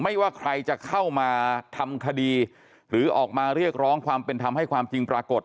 ว่าใครจะเข้ามาทำคดีหรือออกมาเรียกร้องความเป็นธรรมให้ความจริงปรากฏ